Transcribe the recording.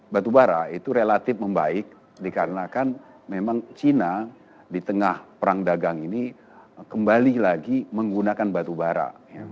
batubara itu relatif membaik dikarenakan memang cina di tengah perang dagang ini kembali lagi menggunakan batu bara